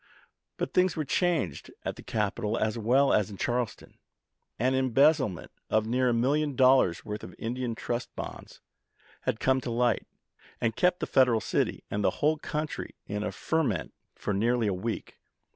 But things were changed at the capital as well as in Charleston. An embezzlement of near a million dollars' worth of Indian Trust Bonds had come to light, and kept the Federal city and the whole country in a ferment for nearly a week.